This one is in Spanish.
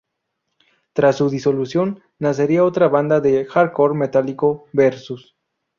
Tras su disolución nacería otra banda de hardcore metálico: Versus.